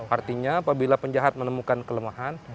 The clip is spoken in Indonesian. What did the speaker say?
artinya apabila penjahat menemukan kelemahan